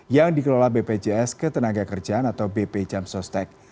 yang dikelola bpjs ketenaga kerjaan atau bp jamstostek